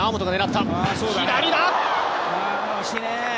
惜しいね。